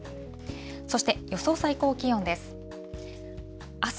そして予想最高気温です。